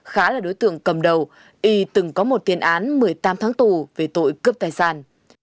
khá là đối tượng cầm đầu y từng có một tiền án một mươi tám tháng tù về tội cướp tài sản